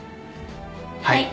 はい。